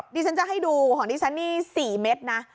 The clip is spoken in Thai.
ดิฉันจะให้ดูของดิฉันนี่๔เม็ดนะ